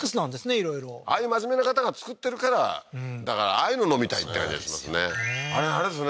いろいろああいう真面目な方が作ってるからだからああいうの飲みたいって感じがしますねあれですね